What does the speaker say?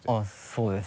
そうです。